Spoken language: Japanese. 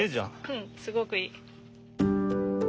うんすごくいい。